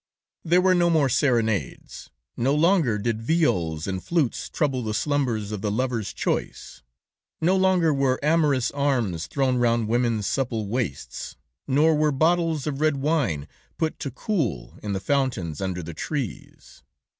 "There were no more serenades; no longer did viols and flutes trouble the slumbers of the lovers' choice; no longer were amorous arms thrown round women's supple waists, nor were bottles of red wine put to cool in the fountains under the trees.